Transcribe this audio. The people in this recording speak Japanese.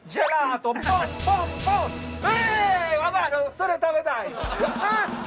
それ食べたい。